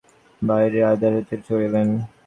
ভৃত্যকে ঘরের মধ্যে ঢুকিতে না দিয়া বাহিরে আহারাদি করিলেন।